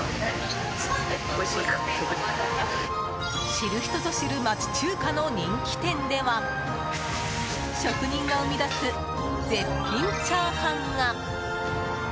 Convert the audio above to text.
知る人ぞ知る町中華の人気店では職人が生み出す絶品チャーハンが！